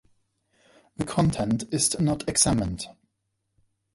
The content is not examined.